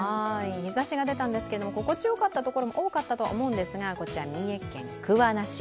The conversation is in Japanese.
日ざしが出たんですが心地いいところも多かったと思うんですがこちら三重県桑名市。